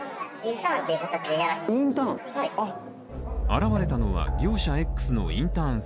現れたのは業者Ｘのインターン